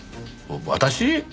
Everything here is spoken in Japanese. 私！？